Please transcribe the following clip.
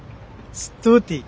ストゥーティー。